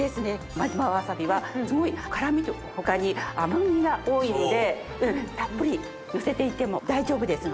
真妻わさびはすごい辛味と他に甘味が多いのでたっぷりのせていても大丈夫ですので。